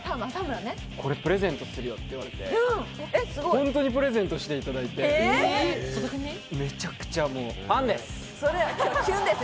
これプレゼントするよって言われて、本当にプレゼントしていただいてめちゃくちゃファンです。